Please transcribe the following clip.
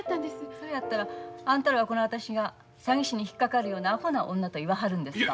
そやったらあんたらはこの私が詐欺師に引っ掛かるようなアホな女と言わはるんですか。